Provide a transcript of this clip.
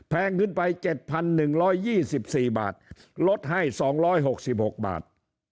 แพงขึ้นไป๗๑๒๔บาทลดให้๒๖๖บาท